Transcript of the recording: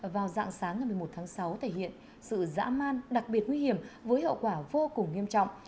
vào dạng sáng ngày một mươi một tháng sáu thể hiện sự dã man đặc biệt nguy hiểm với hậu quả vô cùng nghiêm trọng